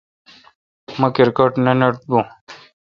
مہ کرکٹ نہ نٹ بون۔